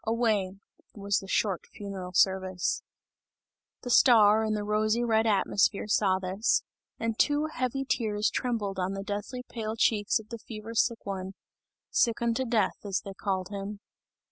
Away," was the short funereal service. The star in the rosy red atmosphere saw this, and two heavy tears trembled on the deathly pale cheeks of the fever sick one sick unto death, as they called him.